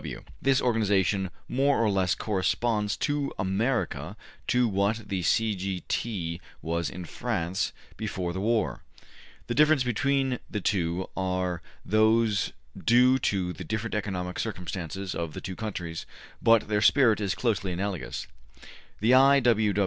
W. W. This organization more or less corresponds in America to what the C. G. T. was in France before the war. The differences between the two are those due to the different economic circumstances of the two countries, but their spirit is closely analogous. The I. W.